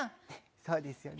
そうですよね。